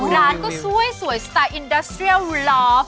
ร้านก็สวยสวยสไตล์อินเดอสเตรียลลอฟ